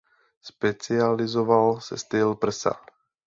Specializoval se styl prsa.